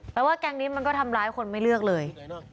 ว่าแก๊งนี้มันก็ทำร้ายคนไม่เลือกเลย